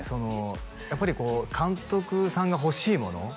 やっぱりこう監督さんが欲しいもの